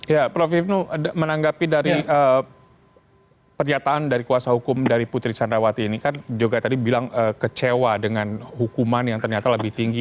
ya prof ibnu menanggapi dari pernyataan dari kuasa hukum dari putri candrawati ini kan juga tadi bilang kecewa dengan hukuman yang ternyata lebih tinggi